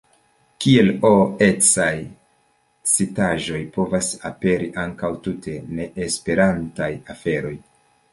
Kiel O-ecaj citaĵoj povas aperi ankaŭ tute ne-Esperantaj aferoj.